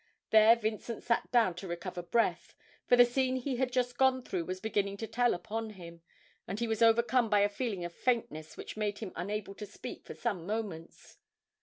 There Vincent sat down to recover breath, for the scene he had just gone through was beginning to tell upon him, and he was overcome by a feeling of faintness which made him unable to speak for some moments.